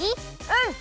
うん！